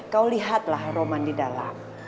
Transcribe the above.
kau lihatlah roman di dalam